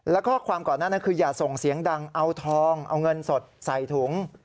แล้วก็ก่อนหน้านั้นคืออย่าส่งเสียงดังเอาทองเอาเงินสดใส่ถุง